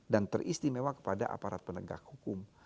dan teristimewa kepada aparat penegak hukum